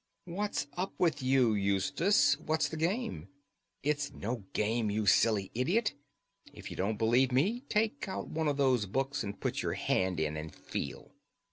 "What's up with you, Eustace? What's the game?" "It's no game, you silly idiot! If you don't believe me take out one of those books and put your hand in and feel."